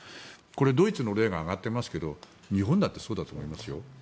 これ、ドイツの例が挙がっていますけど日本だってそうだと思いますよ。